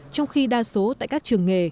trong khi đa số tại các trường nghề